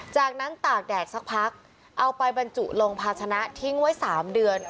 จากนั้นตากแดดสักพักเอาไปบรรจุลงภาชนะทิ้งไว้๓เดือน